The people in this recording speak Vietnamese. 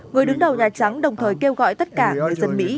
người đứng đầu nhà trắng đồng thời kêu gọi tất cả người dân mỹ